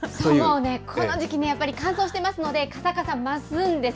この時期ね、乾燥してますので、かさかさ、増すんです。